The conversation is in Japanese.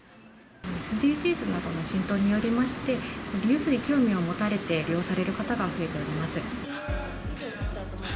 ＳＤＧｓなどの浸透によりまして、リユースに興味を持たれて利用される方が増えております。